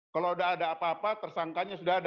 kalau sudah ada apa apa tersangkanya sudah ada